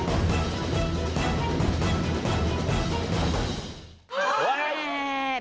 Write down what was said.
โอเค